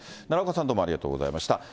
奈良岡さん、どうもありがとうございました。